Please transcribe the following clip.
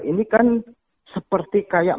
ini kan seperti kayak